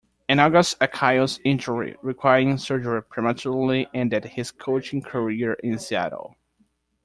An August Achilles injury requiring surgery prematurely ended his coaching career in Seattle.